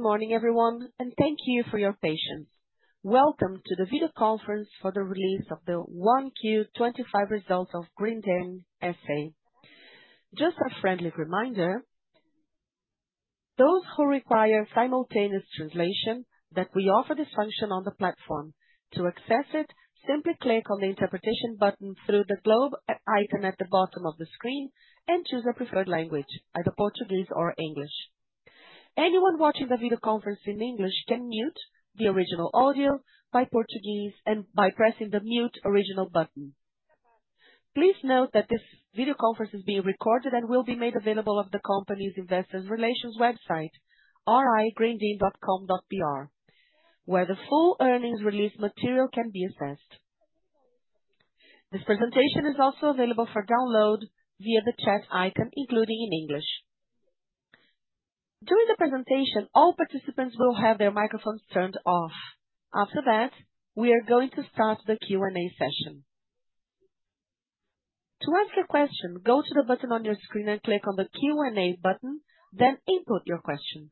Good morning, everyone, and thank you for your patience. Welcome to the video conference for the release of the 1Q25 results of Grendene SA. Just a friendly reminder: those who require simultaneous translation, that we offer this function on the platform. To access it, simply click on the interpretation button through the globe icon at the bottom of the screen and choose a preferred language, either Portuguese or English. Anyone watching the video conference in English can mute the original audio by Portuguese and by pressing the Mute Original button. Please note that this video conference is being recorded and will be made available on the company's investor relations website, ri.grendene.com.br, where the full earnings release material can be accessed. This presentation is also available for download via the chat icon, including in English. During the presentation, all participants will have their microphones turned off. After that, we are going to start the Q&A session. To ask your question, go to the button on your screen and click on the Q&A button, then input your question.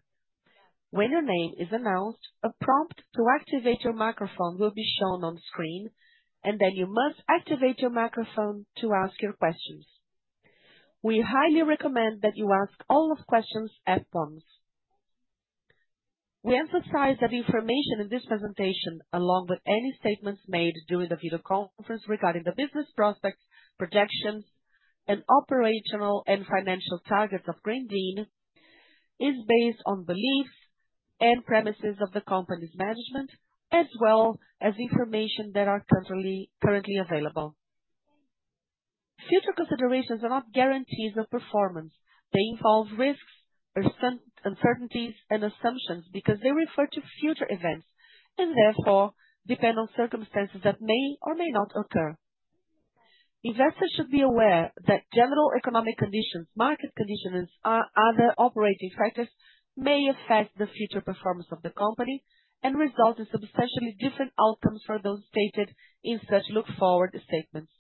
When your name is announced, a prompt to activate your microphone will be shown on screen, and then you must activate your microphone to ask your questions. We highly recommend that you ask all of your questions at once. We emphasize that information in this presentation, along with any statements made during the video conference regarding the business prospects, projections, and operational and financial targets of Grendene, is based on beliefs and premises of the company's management, as well as information that is currently available. Future considerations are not guarantees of performance. They involve risks, uncertainties, and assumptions because they refer to future events and therefore depend on circumstances that may or may not occur. Investors should be aware that general economic conditions, market conditions, and other operating factors may affect the future performance of the company and result in substantially different outcomes for those stated in such look-forward statements.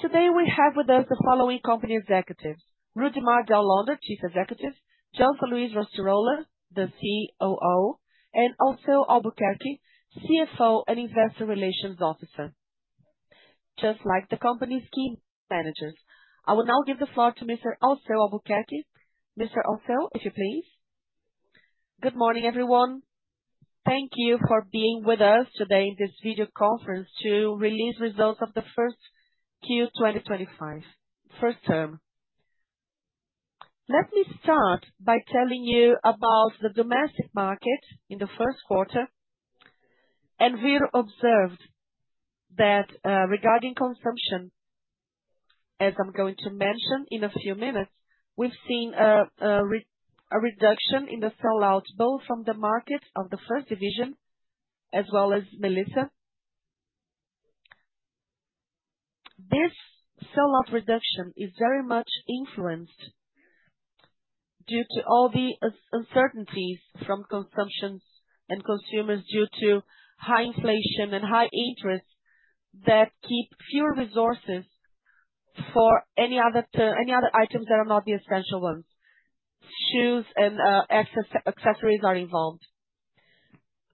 Today, we have with us the following company executives: Rudimar Dall'Onder, Chief Executive; Gelson Luiz Rostirolla, the COO; and Alceu Albuquerque, CFO and Investor Relations Officer. Just like the company's key managers, I will now give the floor to Mr. Alceu Albuquerque. Mr. Alceu, if you please. Good morning, everyone. Thank you for being with us today in this video conference to release results of the First Quarter 2025, first term. Let me start by telling you about the domestic market in the first quarter, and we've observed that regarding consumption, as I'm going to mention in a few minutes, we've seen a reduction in the sellout both from the market of the first division as well as Melissa. This sellout reduction is very much influenced due to all the uncertainties from consumption and consumers due to high inflation and high interest that keep fewer resources for any other items that are not the essential ones. Shoes and accessories are involved.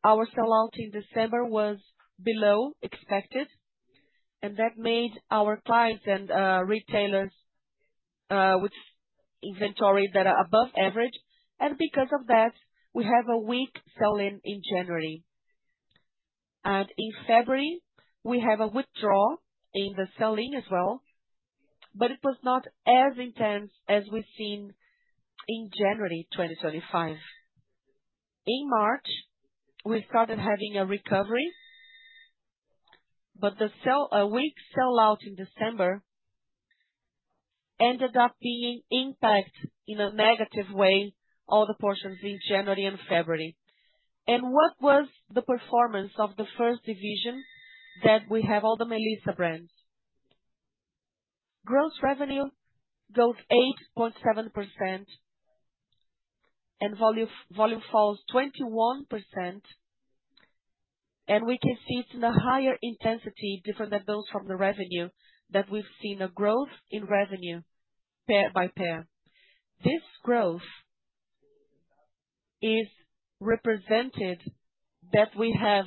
Our sellout in December was below expected, and that made our clients and retailers with inventory that are above average. Because of that, we have a weak sell-in in January. In February, we have a withdrawal in the sell-in as well, but it was not as intense as we've seen in January 2024. In March, we started having a recovery, but the weak sell-out in December ended up being impacted in a negative way, all the portions in January and February. What was the performance of the first division that we have, all the Melissa brands? Gross revenue goes 8.7%, and volume falls 21%. We can see it is in a higher intensity, different than those from the revenue, that we have seen a growth in revenue pair by pair. This growth is represented that we have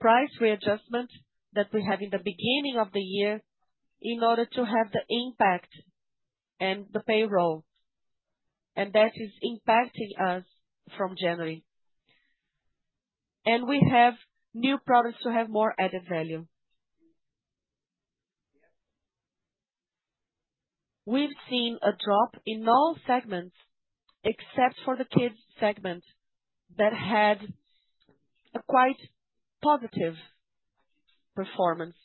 price readjustment that we have in the beginning of the year in order to have the impact and the payroll, and that is impacting us from January. We have new products to have more added value. We have seen a drop in all segments except for the kids segment that had a quite positive performance.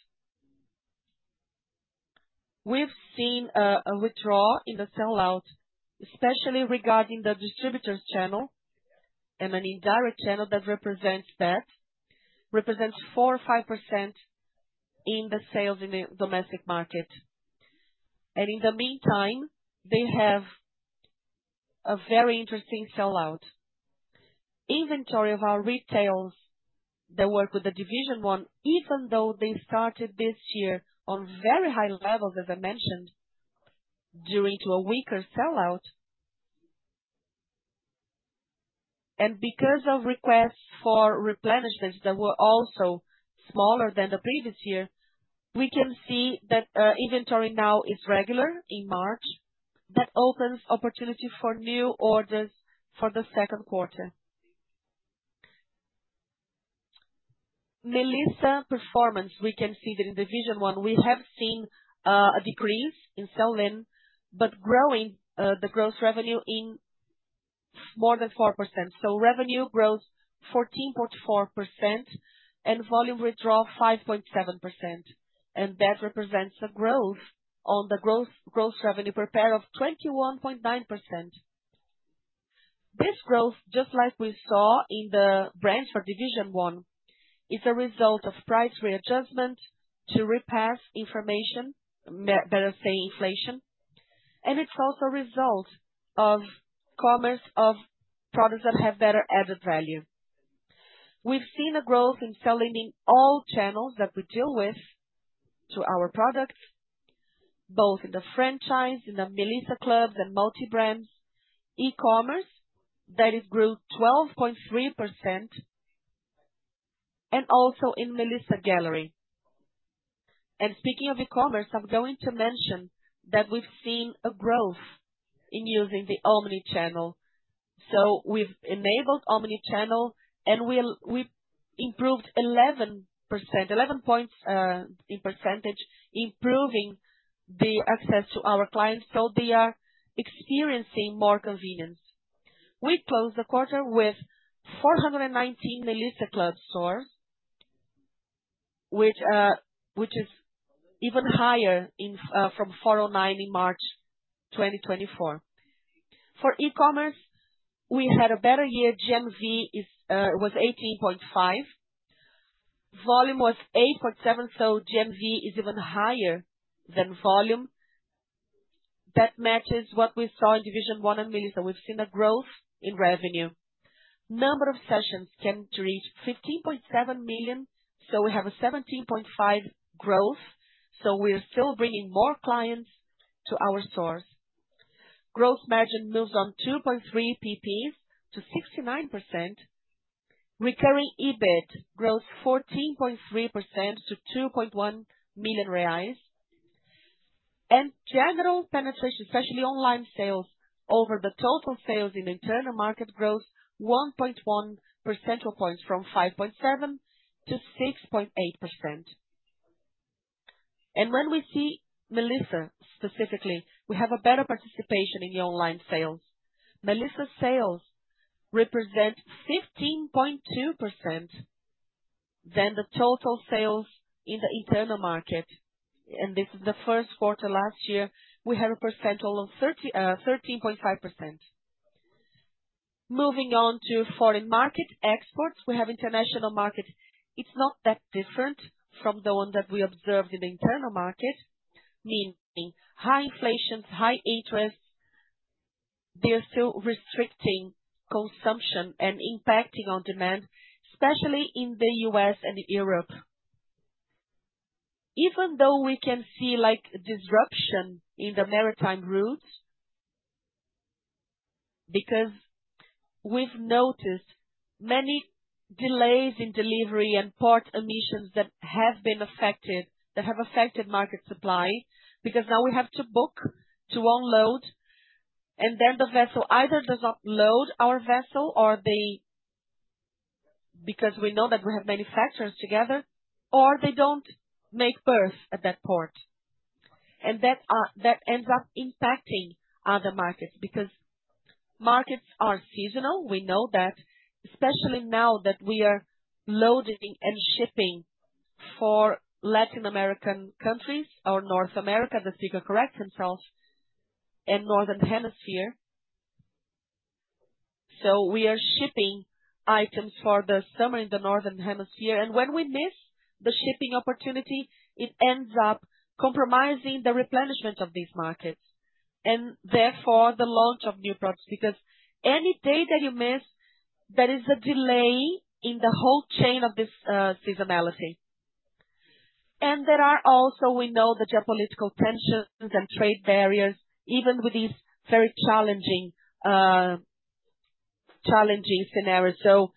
We've seen a withdrawal in the sellout, especially regarding the distributors' channel and an indirect channel that represents 4% or 5% in the sales in the domestic market. In the meantime, they have a very interesting sellout. Inventory of our retails that work with division one, even though they started this year on very high levels, as I mentioned, during a weaker sellout, and because of requests for replenishments that were also smaller than the previous year, we can see that inventory now is regular in March. That opens opportunity for new orders for the second quarter. Melissa performance, we can see that in division one, we have seen a decrease in sell-in, but growing the gross revenue in more than 4%. Revenue grows 14.4% and volume withdrawal 5.7%. That represents a growth on the gross revenue per pair of 21.9%. This growth, just like we saw in the branch for division one, is a result of price readjustment to repass inflation. It is also a result of commerce of products that have better added value. We've seen a growth in sell-in in all channels that we deal with to our products, both in the franchise, in the Melissa clubs and multi-brands, e-commerce that has grew 12.3%, and also in Melissa gallery. Speaking of e-commerce, I'm going to mention that we've seen a growth in using the omni-channel. We have enabled omni-channel and we improved 11 percentage points, improving the access to our clients. They are experiencing more convenience. We closed the quarter with 419 Melissa club stores, which is even higher from 409 in March 2024. For e-commerce, we had a better year. GMV was 18.5 million. Volume was 8.7 million, so GMV is even higher than volume. That matches what we saw in division one and Melissa. We've seen a growth in revenue. Number of sessions can reach 15.7 million. We have a 17.5% growth. We're still bringing more clients to our stores. Gross margin moves on 2.3 percentage points to 69%. Recurring EBIT grows 14.3% to 2.1 million reais. General penetration, especially online sales over the total sales in internal market, grows 1.1 percentage points from 5.7% - 6.8%. When we see Melissa specifically, we have a better participation in the online sales. Melissa sales represent 15.2% of the total sales in the internal market. In the first quarter last year, we had a percent all of 13.5%. Moving on to foreign market exports, we have international market. It's not that different from the one that we observed in the internal market, meaning high inflations, high interests. They are still restricting consumption and impacting on demand, especially in the U.S. and in Europe. Even though we can see disruption in the maritime routes, because we've noticed many delays in delivery and port emissions that have been affected, that have affected market supply, because now we have to book to unload. The vessel either does not load our vessel or they, because we know that we have many factors together, or they don't make berth at that port. That ends up impacting other markets because markets are seasonal. We know that, especially now that we are loading and shipping for Latin American countries or North America, the speaker correct himself, and northern hemisphere. We are shipping items for the summer in the northern hemisphere. When we miss the shipping opportunity, it ends up compromising the replenishment of these markets and therefore the launch of new products, because any day that you miss, there is a delay in the whole chain of this seasonality. There are also, we know, the geopolitical tensions and trade barriers, even with these very challenging scenarios.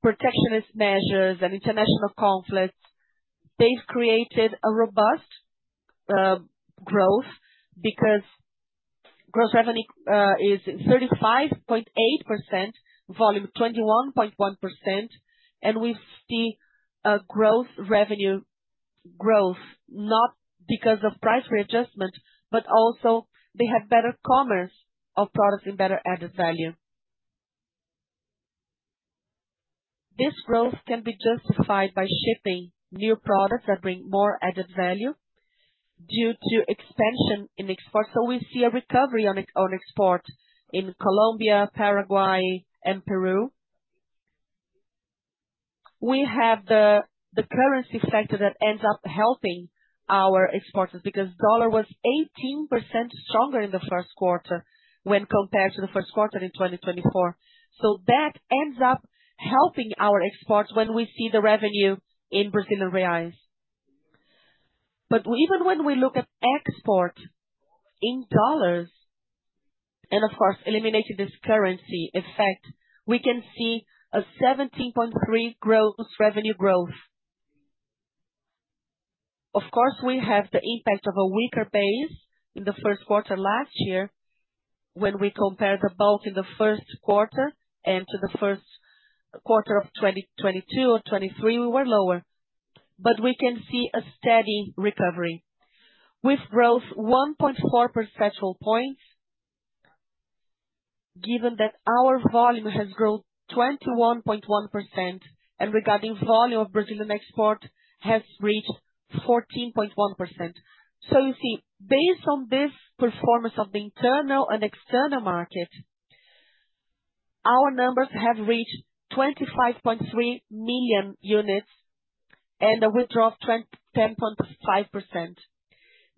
Protectionist measures and international conflicts have created a robust growth because gross revenue is 35.8%, volume 21.1%. We see a revenue growth not because of price readjustment, but also they have better commerce of products and better added value. This growth can be justified by shipping new products that bring more added value due to expansion in exports. We see a recovery on export in Colombia, Paraguay, and Peru. We have the currency factor that ends up helping our exporters because the dollar was 18% stronger in the first quarter when compared to the first quarter in 2024. That ends up helping our exports when we see the revenue in BRL. Even when we look at export in dollars and, of course, eliminating this currency effect, we can see a 17.3% gross revenue growth. Of course, we have the impact of a weaker base in the first quarter last year. When we compare the bulk in the first quarter to the first quarter of 2022 or 2023, we were lower. We can see a steady recovery with growth of 1.4 percentage points, given that our volume has grown 21.1% and regarding volume of Brazilian export has reached 14.1%. You see, based on this performance of the internal and external market, our numbers have reached 25.3 million units and a withdrawal of 10.5%.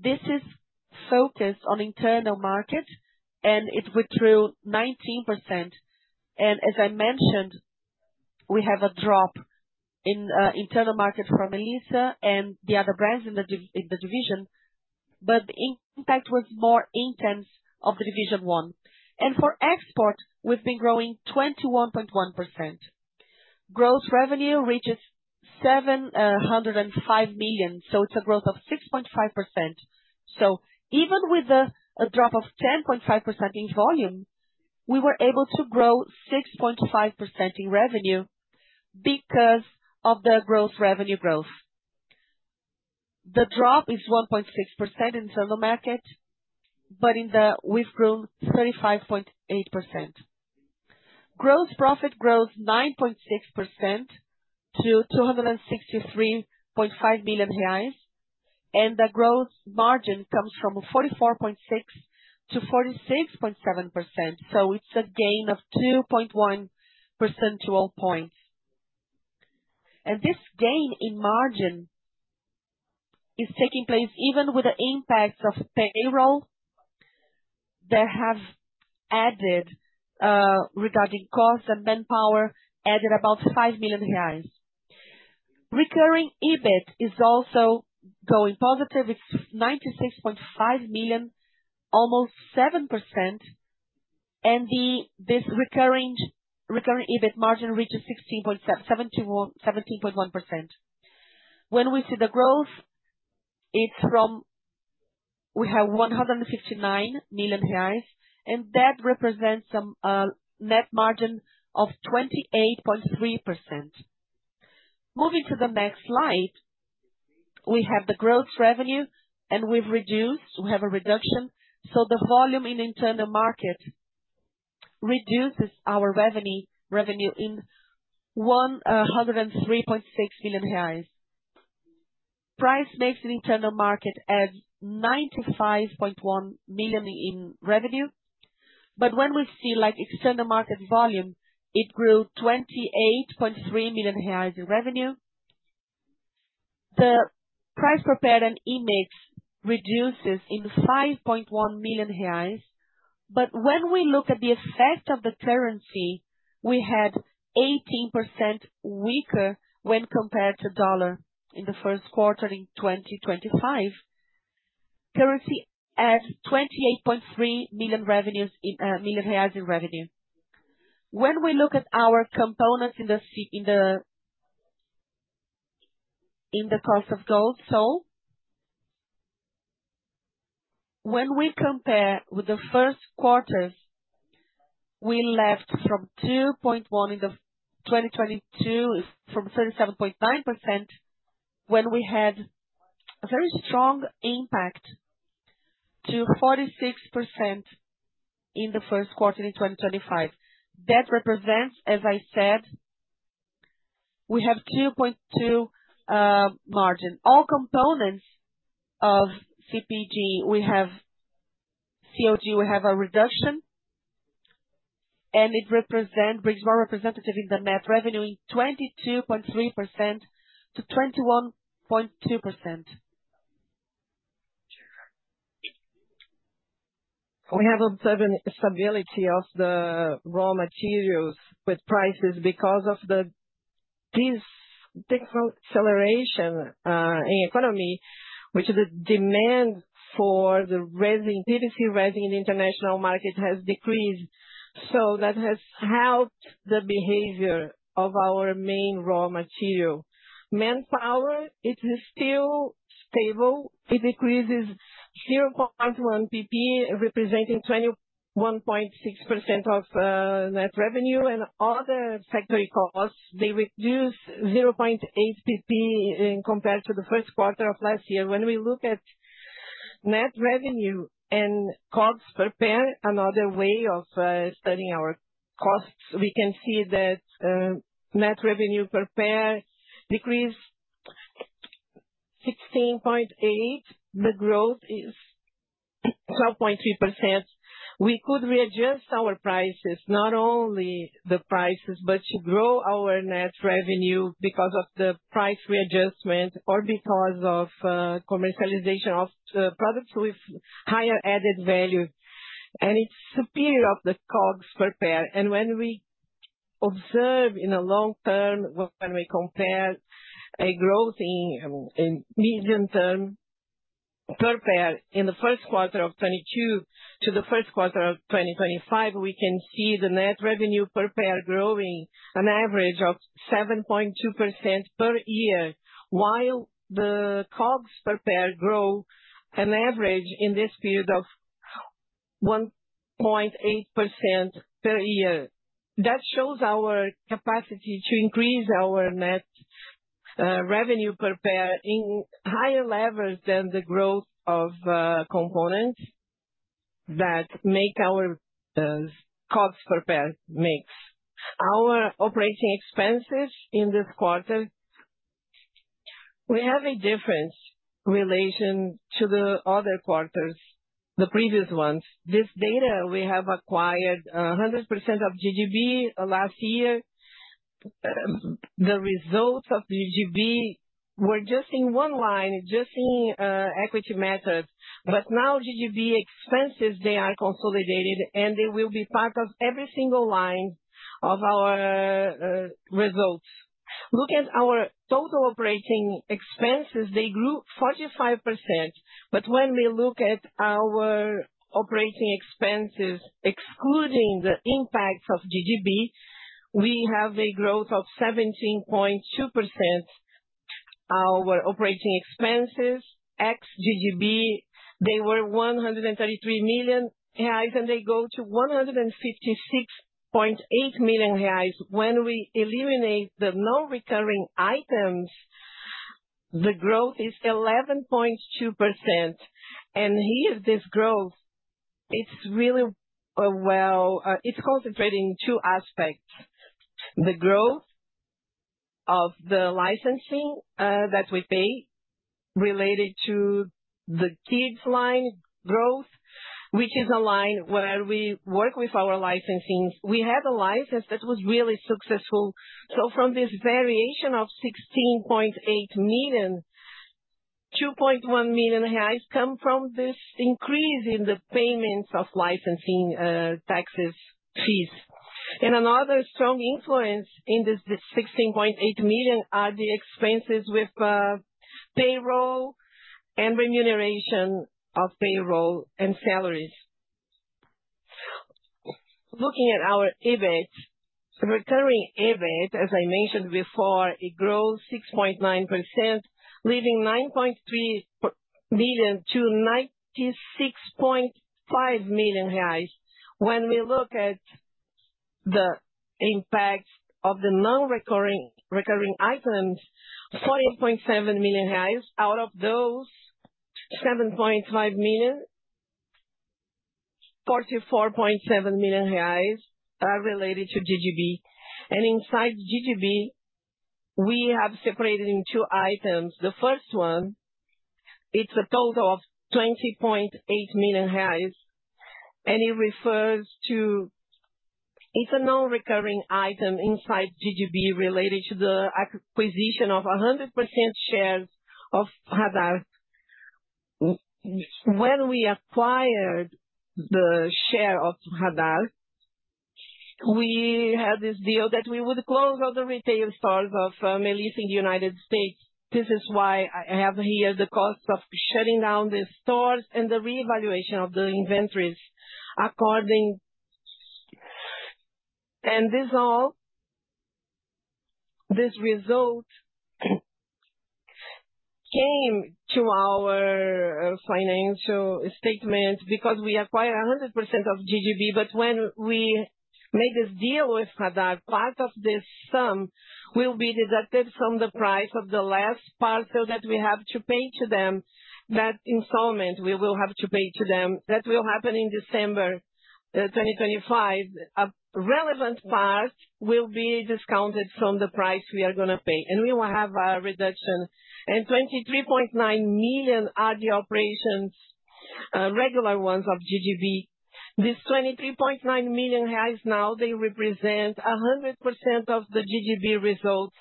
This is focused on internal market, and it withdrew 19%. As I mentioned, we have a drop in internal market from Melissa and the other brands in the division, but the impact was more intense of the division one. For export, we've been growing 21.1%. Gross revenue reaches 705 million. It's a growth of 6.5%. Even with a drop of 10.5% in volume, we were able to grow 6.5% in revenue because of the gross revenue growth. The drop is 1.6% in internal market, but we've grown 35.8%. Gross profit grows 9.6% to 263.5 million reais, and the growth margin comes from 44.6% to 46.7%. It's a gain of 2.1 percentage points. This gain in margin is taking place even with the impacts of payroll that have added regarding costs and manpower, added about 5 million reais. Recurring EBIT is also going positive. It's 96.5 million, almost 7%. This recurring EBIT margin reaches 17.1%. When we see the growth, it's from we have 159 million reais, and that represents a net margin of 28.3%. Moving to the next slide, we have the gross revenue, and we've reduced we have a reduction. The volume in internal market reduces our revenue in 103.6 million reais. Price makes the internal market add 95.1 million in revenue. When we see external market volume, it grew 28.3 million reais in revenue. The price per pair and EMIS reduces in 5.1 million reais. When we look at the effect of the currency, we had 18% weaker when compared to the dollar in the first quarter in 2025. Currency adds 28.3 million in revenue. When we look at our components in the cost of goods, so when we compare with the first quarters, we left from 2.1 in 2022 from 37.9% when we had a very strong impact to 46% in the first quarter in 2025. That represents, as I said, we have 2.2 margin. All components of CPG, we have COG, we have a reduction, and it brings more representative in the net revenue in 22.3% to 21.2%. We have observed instability of the raw materials with prices because of this technical acceleration in economy, which is the demand for the PVC rising in the international market has decreased. That has helped the behavior of our main raw material. Manpower, it's still stable. It decreases 0.1 percentage points, representing 21.6% of net revenue. Other factory costs, they reduce 0.8 percentage points compared to the first quarter of last year. When we look at net revenue and cost per pair, another way of studying our costs, we can see that net revenue per pair decreased 16.8%. The growth is 12.3%. We could readjust our prices, not only the prices, but to grow our net revenue because of the price readjustment or because of commercialization of products with higher added value. It's superior of the cost per pair. When we observe in a long term, when we compare a growth in medium term per pair in the first quarter of 2022 to the first quarter of 2025, we can see the net revenue per pair growing an average of 7.2% per year, while the cost per pair grow an average in this period of 1.8% per year. That shows our capacity to increase our net revenue per pair in higher levels than the growth of components that make our cost per pair mix. Our operating expenses in this quarter, we have a different relation to the other quarters, the previous ones. This data, we have acquired 100% of GGB last year. The results of GGB were just in one line, just in equity methods. Now GGB expenses, they are consolidated, and they will be part of every single line of our results. Look at our total operating expenses. They grew 45%. When we look at our operating expenses, excluding the impacts of GGB, we have a growth of 17.2%. Our operating expenses ex GGB, they were 133 million reais, and they go to 156.8 million reais. When we eliminate the non-recurring items, the growth is 11.2%. Here, this growth, it is really well. It is concentrating in two aspects. The growth of the licensing that we pay related to the kids' line growth, which is a line where we work with our licensings. We had a license that was really successful. From this variation of 16.8 million, 2.1 million reais come from this increase in the payments of licensing taxes fees. Another strong influence in this 16.8 million are the expenses with payroll and remuneration of payroll and salaries. Looking at our EBIT, recurring EBIT, as I mentioned before, it grows 6.9%, leaving 9.3 million to 96.5 million reais. When we look at the impacts of the non-recurring items, 48.7 million reais. Out of those, 7.5 million, 44.7 million reais are related to GGB. And inside GGB, we have separated into two items. The first one, it's a total of 20.8 million reais, and it refers to it's a non-recurring item inside GGB related to the acquisition of 100% shares of Radar. When we acquired the share of Radar, we had this deal that we would close all the retail stores of Melissa in the United States. This is why I have here the cost of shutting down the stores and the reevaluation of the inventories. And this result came to our financial statement because we acquired 100% of GGB. When we made this deal with Radar, part of this sum will be deducted from the price of the last parcel that we have to pay to them, that installment we will have to pay to them. That will happen in December 2025. A relevant part will be discounted from the price we are going to pay. We will have a reduction. 23.9 million are the operations, regular ones of GGB. This 23.9 million now, they represent 100% of the GGB result.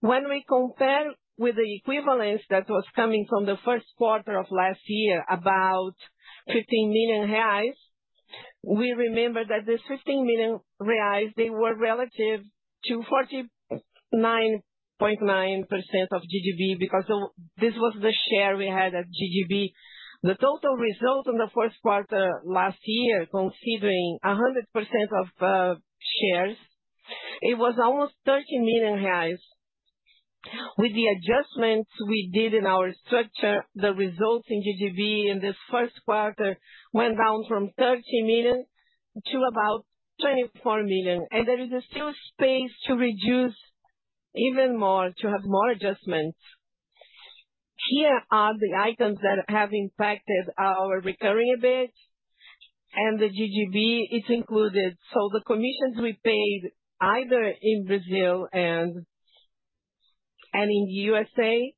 When we compare with the equivalence that was coming from the first quarter of last year, about 15 million reais, we remember that this 15 million reais, they were relative to 49.9% of GGB because this was the share we had at GGB. The total result in the first quarter last year, considering 100% of shares, it was almost 30 million reais. With the adjustments we did in our structure, the results in GGB in this first quarter went down from 30 million to about 24 million. There is still space to reduce even more, to have more adjustments. Here are the items that have impacted our recurring EBIT and the GGB. It is included. The commissions we paid either in Brazil and in the U.S.A.,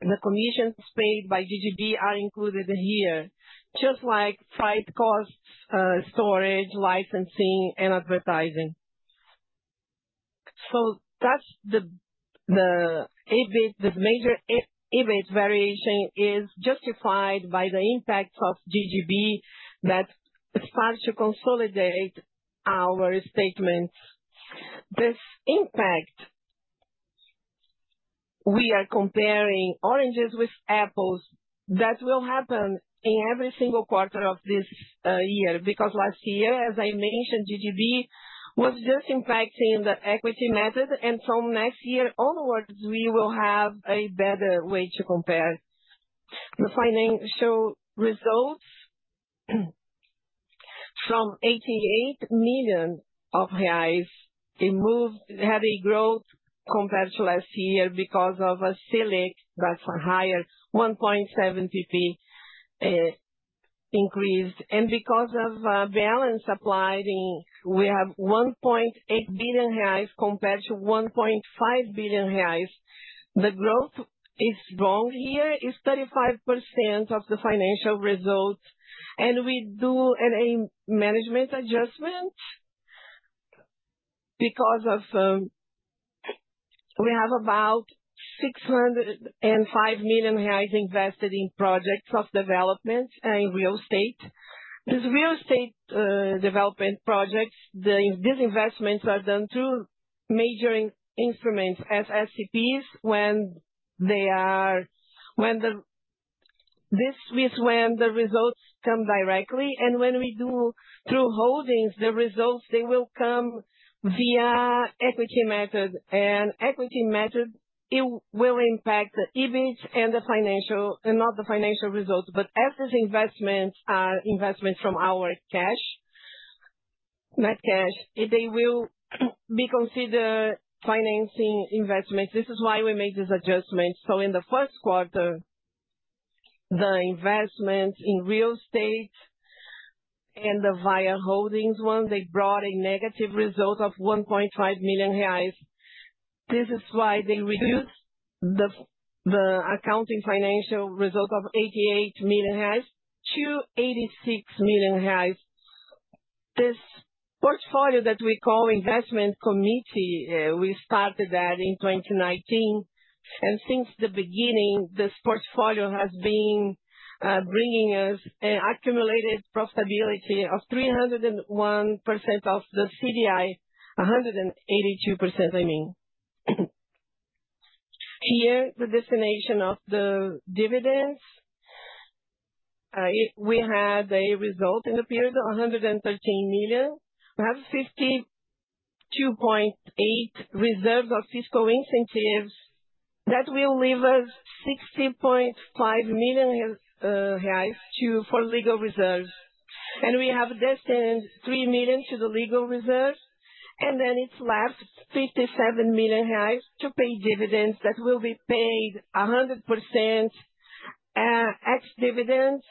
the commissions paid by GGB are included here, just like site costs, storage, licensing, and advertising. That is the EBIT. This major EBIT variation is justified by the impacts of GGB that start to consolidate our statements. This impact, we are comparing oranges with apples. That will happen in every single quarter of this year because last year, as I mentioned, GGB was just impacting the equity method. From next year onwards, we will have a better way to compare. The financial results from 88 million reais, it moved, had a growth compared to last year because of a CDI that's a higher 1.7 percentage points increase. And because of balance applied, we have 1.8 billion reais compared to 1.5 billion reais. The growth is wrong here. It's 35% of the financial result. And we do a management adjustment because of we have about 605 million reais invested in projects of development in real estate. These real estate development projects, these investments are done through major instruments as SCPs when they are when this is when the results come directly. And when we do through holdings, the results, they will come via equity method. And equity method, it will impact the EBIT and the financial and not the financial result. But as these investments are investments from our cash, net cash, they will be considered financing investments. This is why we made this adjustment. In the first quarter, the investments in real estate and the via holdings one, they brought a negative result of 1.5 million reais. This is why they reduced the accounting financial result of 88 million reais to 86 million reais. This portfolio that we call investment committee, we started that in 2019. Since the beginning, this portfolio has been bringing us an accumulated profitability of 301% of the CDI, 182%, I mean. Here, the destination of the dividends, we had a result in the period of 113 million. We have 52.8 million reserves of fiscal incentives that will leave us 60.5 million reais for legal reserves. We have destined 3 million to the legal reserve. It is left 57 million reais to pay dividends that will be paid 100% ex dividends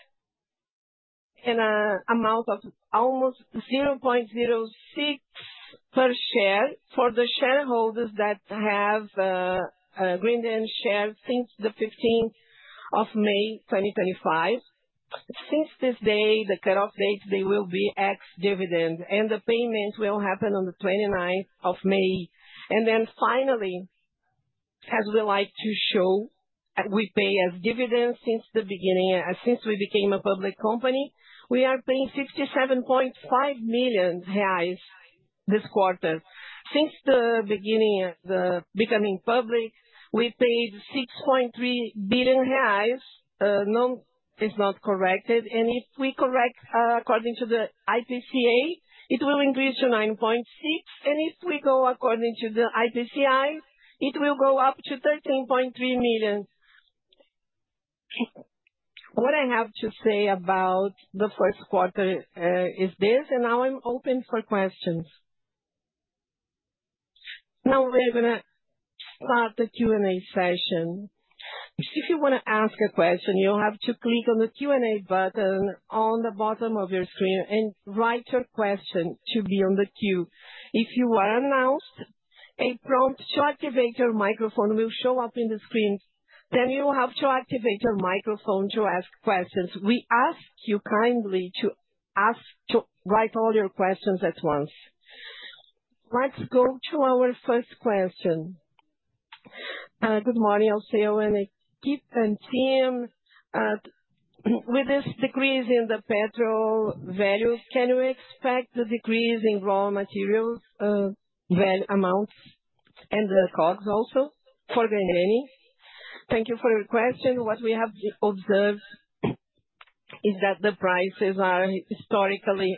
in an amount of almost 0.06 per share for the shareholders that have Grendene shares since the 15th of May 2025. Since this day, the cut-off date, they will be ex dividend. The payment will happen on the 29th of May. Finally, as we like to show, we pay as dividends since the beginning. Since we became a public company, we are paying 67.5 million reais this quarter. Since the beginning of becoming public, we paid 6.3 billion reais. No, it is not corrected. If we correct according to the IPCA, it will increase to 9.6 billion. If we go according to the IPCA, it will go up to 13.3 billion. What I have to say about the first quarter is this, and now I am open for questions. Now we're going to start the Q&A session. If you want to ask a question, you'll have to click on the Q&A button on the bottom of your screen and write your question to be on the queue. If you are announced, a prompt to activate your microphone will show up in the screen. You will have to activate your microphone to ask questions. We ask you kindly to write all your questions at once. Let's go to our first question. Good morning, Alceu and equipment team. With this decrease in the petrol value, can you expect the decrease in raw materials, amounts, and the costs also for Grendene? Thank you for your question. What we have observed is that the prices are historically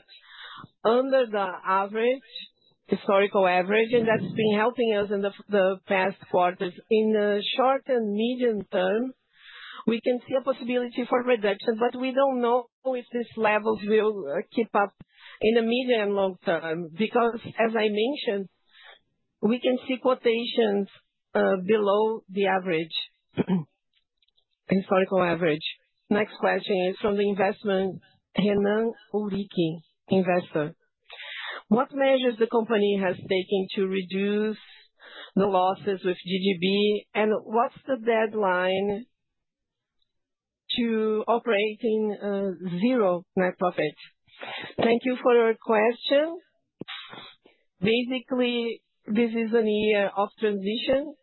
under the average, historical average, and that's been helping us in the past quarters. In the short and medium term, we can see a possibility for reduction, but we don't know if these levels will keep up in the medium and long term because, as I mentioned, we can see quotations below the average, historical average. Next question is from the Investment [Henan Uriki] investor. What measures the company has taken to reduce the losses with GGB, and what's the deadline to operating zero net profit? Thank you for your question. Basically, this is a year of transition.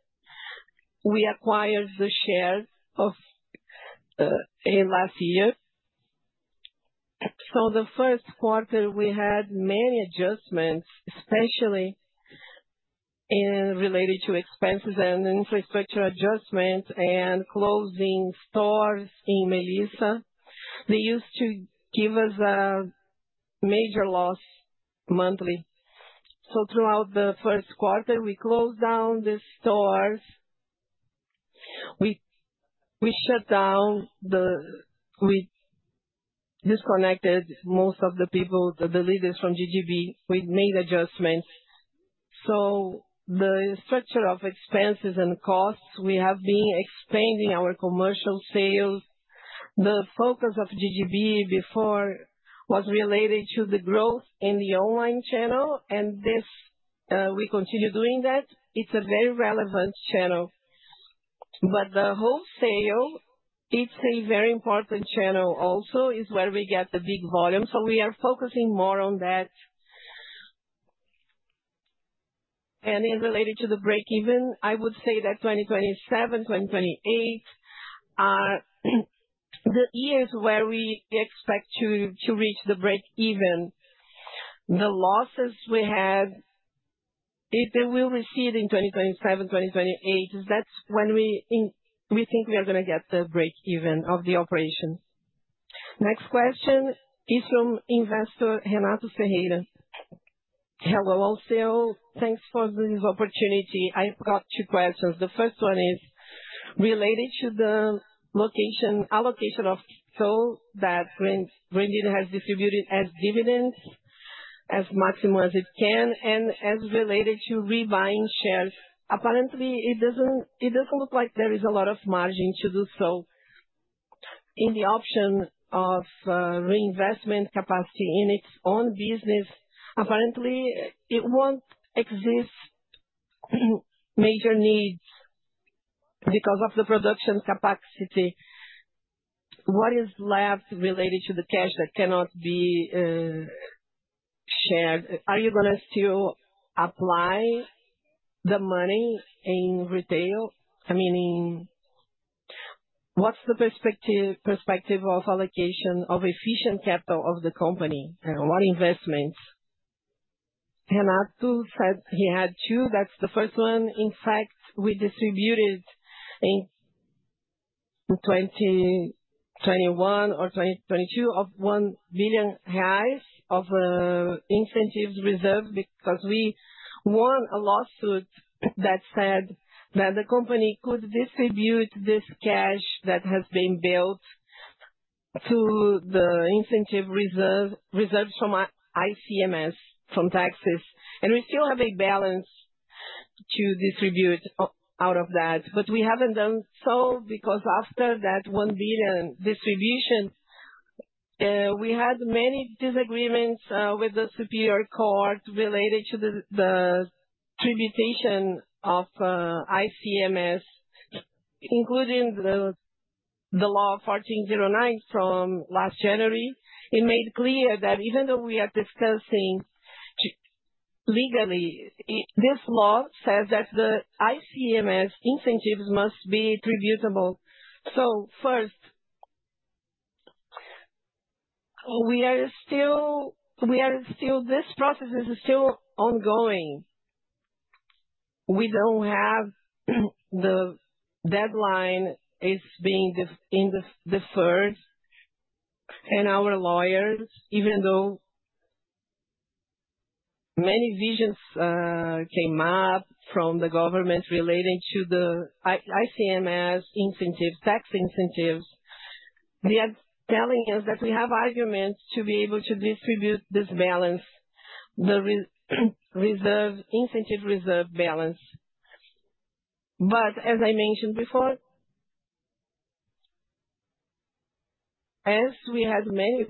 We acquired the shares last year. So the first quarter, we had many adjustments, especially related to expenses and infrastructure adjustments and closing stores in Melissa. They used to give us a major loss monthly. Throughout the first quarter, we closed down the stores. We shut down the, we disconnected most of the people, the leaders from GGB. We made adjustments. The structure of expenses and costs, we have been expanding our commercial sales. The focus of GGB before was related to the growth in the online channel, and we continue doing that. It is a very relevant channel. The wholesale, it is a very important channel also, is where we get the big volume. We are focusing more on that. Related to the breakeven, I would say that 2027, 2028 are the years where we expect to reach the breakeven. The losses we had, if they will recede in 2027, 2028, that is when we think we are going to get the breakeven of the operations. Next question is from investor Renato Ferreira. Hello, Alceu. Thanks for this opportunity. I have got two questions. The first one is related to the allocation of soul that Grendene has distributed as dividends as maximum as it can and as related to rebuying shares. Apparently, it does not look like there is a lot of margin to do so. In the option of reinvestment capacity in its own business, apparently, it will not exist major needs because of the production capacity. What is left related to the cash that cannot be shared? Are you going to still apply the money in retail? I mean, what is the perspective of allocation of efficient capital of the company? What investments? Renato said he had two. That is the first one. In fact, we distributed in 2021 or 2022 of 1 billion reais of incentives reserved because we won a lawsuit that said that the company could distribute this cash that has been built to the incentive reserves from ICMS from taxes. We still have a balance to distribute out of that. We have not done so because after that 1 billion distribution, we had many disagreements with the Superior Court related to the taxation of ICMS, including the law 1409 from last January. It made clear that even though we are discussing legally, this law says that the ICMS incentives must be taxable. First, this process is still ongoing. We do not have the deadline, it is being deferred. Our lawyers, even though many visions came up from the government relating to the ICMS incentives, tax incentives, are telling us that we have arguments to be able to distribute this balance, the incentive reserve balance. As I mentioned before, as we had many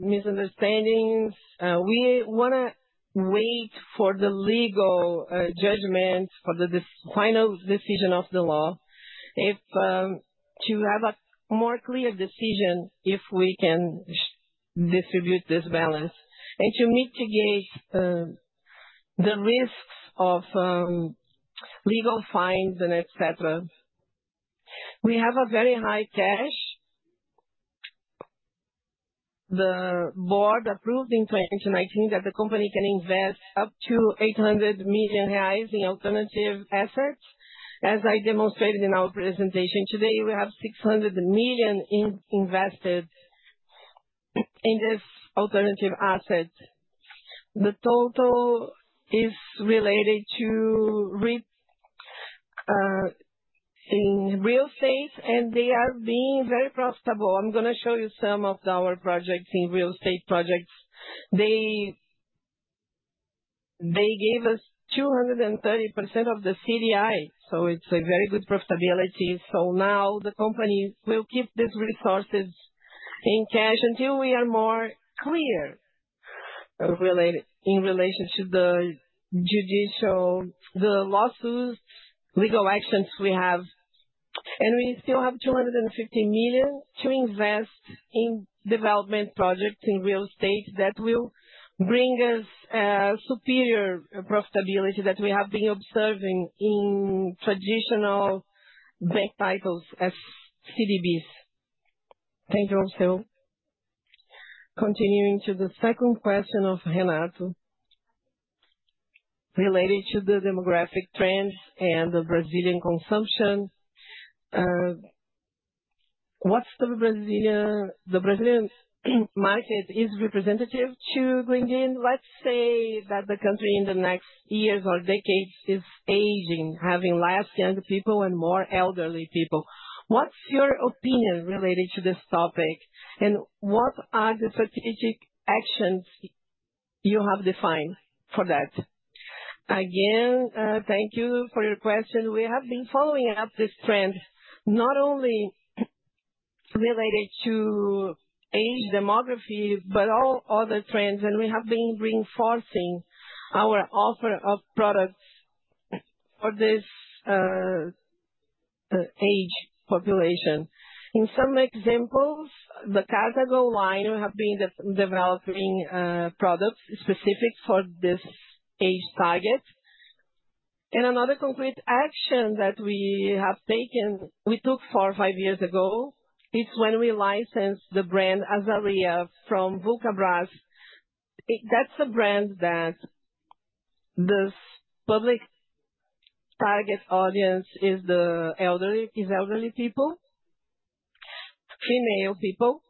misunderstandings, we want to wait for the legal judgment, for the final decision of the law, to have a more clear decision if we can distribute this balance and to mitigate the risks of legal fines and etc. We have a very high cash. The board approved in 2019 that the company can invest up to 800 million reais in alternative assets. As I demonstrated in our presentation today, we have 600 million invested in this alternative asset. The total is related to real estate, and they are being very profitable. I'm going to show you some of our projects in real estate projects. They gave us 230% of the CDI, so it's a very good profitability. The company will keep these resources in cash until we are more clear in relation to the judicial, the lawsuits, legal actions we have. We still have 250 million to invest in development projects in real estate that will bring us superior profitability than we have been observing in traditional bank titles as CDBs. Thank you, also. Continuing to the second question of Renato related to the demographic trends and the Brazilian consumption. What is the Brazilian market representative to Grendene? Let's say that the country in the next years or decades is aging, having less young people and more elderly people. What is your opinion related to this topic? What are the strategic actions you have defined for that? Again, thank you for your question. We have been following up this trend not only related to age demography, but all other trends, and we have been reinforcing our offer of products for this age population. In some examples, the Cartago line has been developing products specific for this age target. Another concrete action that we have taken, we took four or five years ago, is when we licensed the brand Azaleia from Vulcabras. That is a brand that this public target audience is elderly people, female people.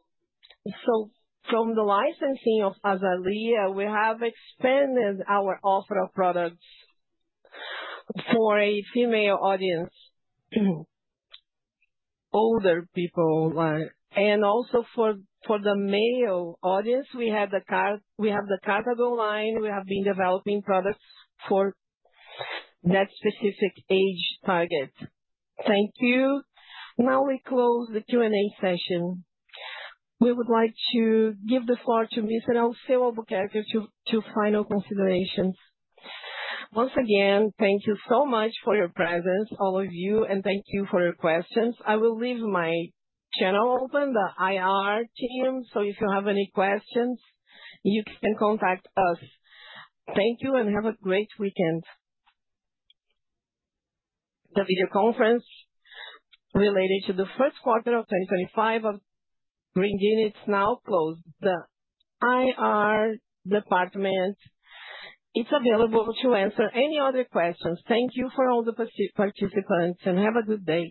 From the licensing of Azaleia, we have expanded our offer of products for a female audience, older people. Also for the male audience, we have the Cartago line. We have been developing products for that specific age target. Thank you. Now we close the Q&A session. We would like to give the floor to Mr. Alceu Albuquerque for final considerations. Once again, thank you so much for your presence, all of you, and thank you for your questions. I will leave my channel open, the IR team, so if you have any questions, you can contact us. Thank you and have a great weekend. The video conference related to the first quarter of 2025 of Grendene is now closed. The IR department is available to answer any other questions. Thank you for all the participants and have a good day.